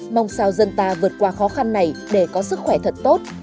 mong sao dân ta vượt qua khó khăn này để có sức khỏe thật tốt